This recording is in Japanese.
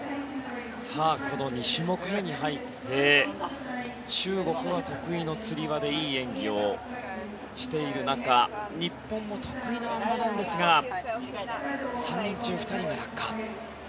２種目めに入って中国は得意のつり輪でいい演技をしている中日本も得意のあん馬なんですが３人中２人が落下。